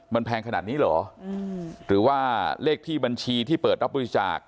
มันแพงขนาดนี้เหรอหรือว่าเลขที่บัญชีที่เปิดรับบริจาค